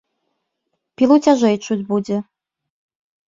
Пілу цяжэй чуць будзе.